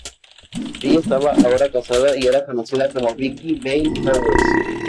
Ella estaba ahora casada y era conocida como Vicki Vale Powers.